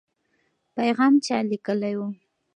پیغام چا لیکلی و؟